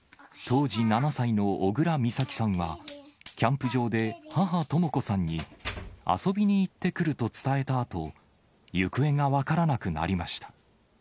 当時７歳の小倉美咲さんは、キャンプ場で母、とも子さんに、遊びに行ってくると伝えたあと、行方が分からなくなりました。